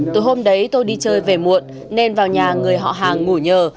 từ hôm đấy tôi đi chơi về muộn nên vào nhà người họ hàng ngủ nhờ